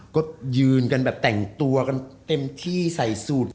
ก็ยืนกันแบบแต่งตัวกันเต็มที่ใส่สูตร